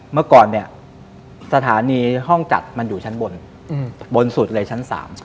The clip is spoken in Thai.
เมื่อก่อนเนี่ยสถานีห้องจัดมันอยู่ชั้นบนบนสุดเลยชั้น๓